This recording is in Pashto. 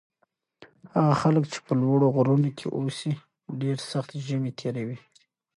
هغه خلک چې په لوړو غرونو کې اوسي ډېر سخت ژمی تېروي.